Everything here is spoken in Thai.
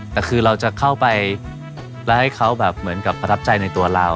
แต่คือเราจะเข้าไปแล้วให้เขาแบบเหมือนกับประทับใจในตัวเรา